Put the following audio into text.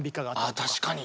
あ確かに。